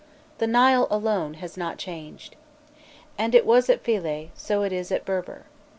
The Nile alone has not changed. And it was at Philse, so it is at Berber.